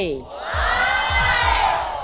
อะไร